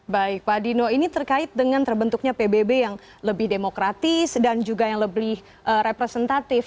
baik pak dino ini terkait dengan terbentuknya pbb yang lebih demokratis dan juga yang lebih representatif